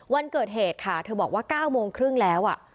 วันเกิดเหตุค่ะเธอบอกว่า๙โมงครึ่งแล้ว